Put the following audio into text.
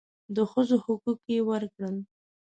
د ښځو حقوق یې ورکړل.